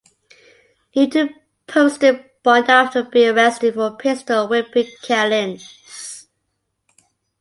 Newton posted bond after being arrested for pistol-whipping Callins.